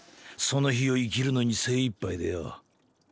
その日を生きるのに精いっぱいでよ。